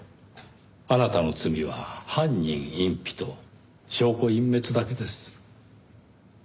あなたの罪は犯人隠避と証拠隠滅だけです。